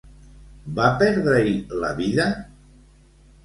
Va perdre-hi la vida?